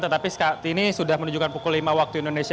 tetapi saat ini sudah menunjukkan pukul lima waktu indonesia